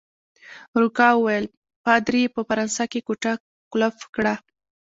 روکا وویل: پادري يې په فرانسه کې کوټه قلف کړه.